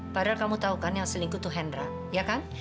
padahal kamu tahu kan yang selingkuh tuh hendra ya kan